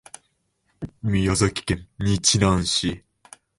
宮崎県日南市